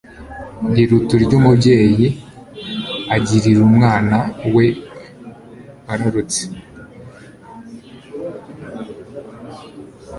rirutiryumubyeyi agirirumwana we wararutse